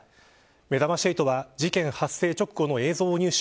めざまし８は事件発生直後の映像を入手。